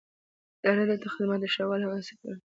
اداره د خدمت د ښه والي هڅه کوي.